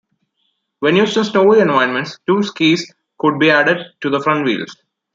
When used in snowy environments two skis could be added to the front wheels.